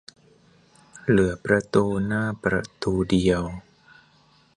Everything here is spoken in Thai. เหลือประตูหน้าประตูเดียว